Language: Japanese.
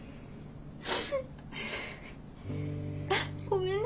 ごめんね。